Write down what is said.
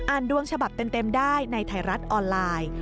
ดวงฉบับเต็มได้ในไทยรัฐออนไลน์